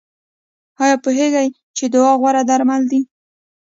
ایا پوهیږئ چې دعا غوره درمل ده؟